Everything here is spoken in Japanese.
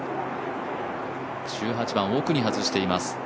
１８番、奥に外しています